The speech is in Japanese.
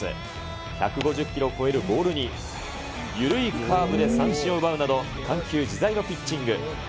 １５０キロを超えるボールに、緩いカーブで三振を奪うなど、緩急自在のピッチング。